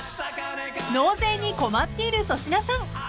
［納税に困っている粗品さん］